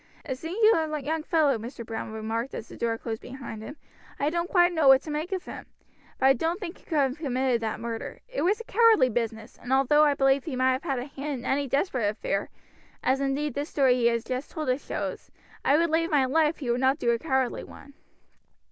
"A singular young fellow!" Major Browne remarked as the door closed behind him. "I don't quite know what to make of him, but I don't think he could have committed that murder. It was a cowardly business, and although I believe he might have a hand in any desperate affair, as indeed this story he has just told us shows, I would lay my life he would not do a cowardly one."